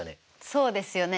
そうですよね。